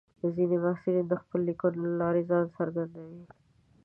ځینې محصلین د خپلو لیکنو له لارې ځان څرګندوي.